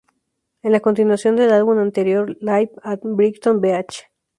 Es la continuación del álbum anterior, Live At Brighton Beach.